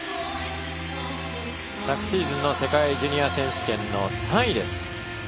昨シーズンの世界ジュニア選手権の３位です。